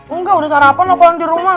engga udah sarapan apalagi di rumah